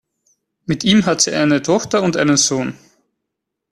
Mit ihm hat sie eine Tochter und einen Sohn.